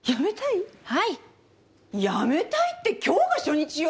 辞めたいって今日が初日よ！